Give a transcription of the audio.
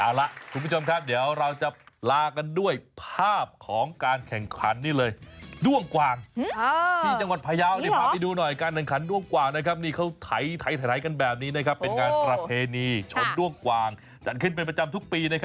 เอาล่ะคุณผู้ชมครับเดี๋ยวเราจะลากันด้วยภาพของการแข่งขันนี่เลย